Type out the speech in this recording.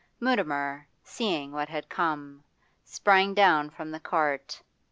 Mutimer, seeing what had come, sprang down from the cart.